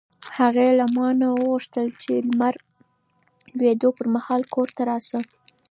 هغې له ما نه وغوښتل چې د لمر لوېدو پر مهال کور ته راشه.